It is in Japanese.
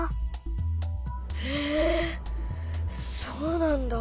えそうなんだ。